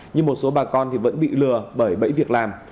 nhưng một số bà con vẫn bị lừa bởi bẫy việc làm